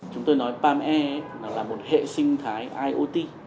chúng tôi nói palm air là một hệ sinh thái iot